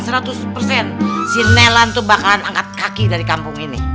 si nelan itu bakalan angkat kaki dari kampung ini